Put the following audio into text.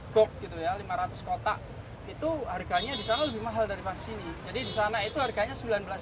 box gitu ya lima ratus kota itu harganya di sana lebih mahal dari pas ini jadi di sana itu harganya